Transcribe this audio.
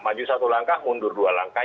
maju satu langkah mundur dua langkah